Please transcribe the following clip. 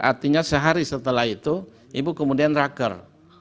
artinya sehari setelah itu ibu kemudian raker